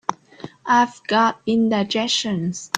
I've got indigestion.